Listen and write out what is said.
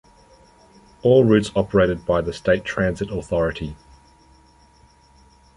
All routes operated by the State Transit Authority.